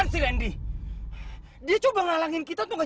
sia kamu dengar ya aku tau